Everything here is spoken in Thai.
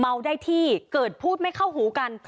เมาได้ที่เกิดพูดไม่เข้าหูกัน